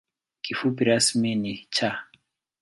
Kifupi rasmi ni ‘Cha’.